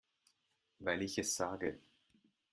Weil ich es sage.